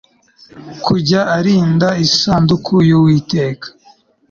kujya arinda isanduku y uwiteka